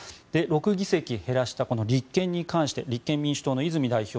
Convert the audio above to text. ６議席減らした立憲に関して立憲民主党の泉代表